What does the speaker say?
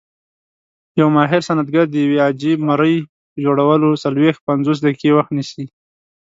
یو ماهر صنعتګر د یوې عاجي مرۍ په جوړولو څلويښت - پنځوس دقیقې وخت نیسي.